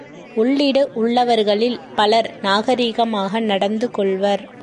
உள்ளிடு உள்ளவர்களில் பலர் நாகரிகமாக நடந்துகொள்வர்.